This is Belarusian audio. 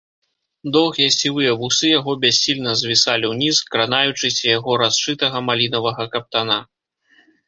Доўгія сівыя вусы яго бяссільна звісалі ўніз, кранаючыся яго расшытага малінавага каптана.